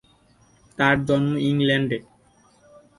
তার জন্ম ইংল্যান্ডে।